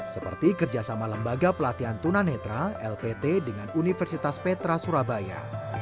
seperti kerjasama lembaga pelatihan tunanetra lpt dengan universitas petra surabaya